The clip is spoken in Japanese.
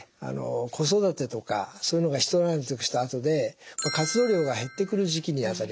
子育てとかそういうものが一段落したあとで活動量が減ってくる時期にあたります。